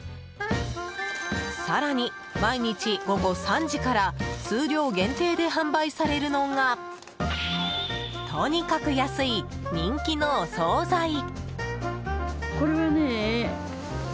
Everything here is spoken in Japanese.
更に、毎日午後３時から数量限定で販売されるのがとにかく安い人気のお総菜。